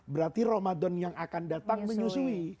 berarti ramadan yang akan datang menyusui